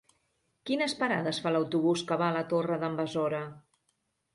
Quines parades fa l'autobús que va a la Torre d'en Besora?